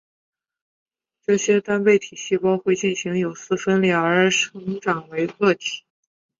这些单倍体细胞会进行有丝分裂而成长为个体。